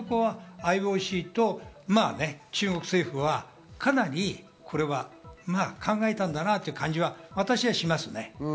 だから明らかにそこはＩＯＣと中国政府はかなりこれは考えたんだなっていう感じは私はしますね。